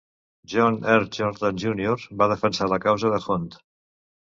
John R. Jordan, Junior, va defensar la causa de Hunt.